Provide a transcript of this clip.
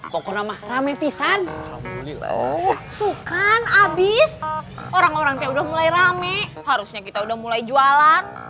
pokoknya ramai pisan oh sukan habis orang orang udah mulai rame harusnya kita udah mulai jualan